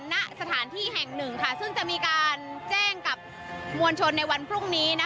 ณสถานที่แห่งหนึ่งค่ะซึ่งจะมีการแจ้งกับมวลชนในวันพรุ่งนี้